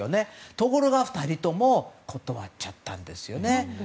ところが、２人とも断っちゃったんですよね。